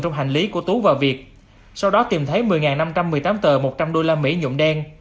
trong hành lý của tú và việt sau đó tìm thấy một mươi năm trăm một mươi tám tờ một trăm linh usd nhụm đen